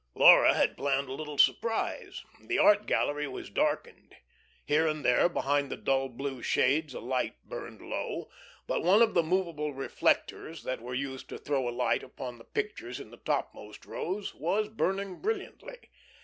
Laura had planned a little surprise. The art gallery was darkened. Here and there behind the dull blue shades a light burned low. But one of the movable reflectors that were used to throw a light upon the pictures in the topmost rows was burning brilliantly.